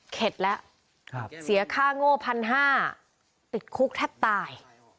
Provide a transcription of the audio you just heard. เข็ดละเสียค่าโง่พันห้าติดคุกแทบตาย